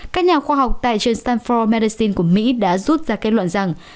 các nhà khoa học tại trên stanford medicine của mỹ đã rút ra kết luận rằng